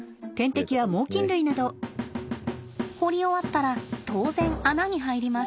掘り終わったら当然穴に入ります。